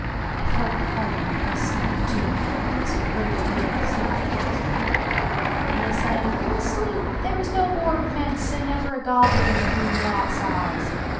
And 1 felt (he heart in my breast snap to As you ve heard the lid of a snuff box do. 107 THE NINE LITTLE GOBLINS And they sang " You re asleep ! There is no board fence, And never a Goblin with green glass eyes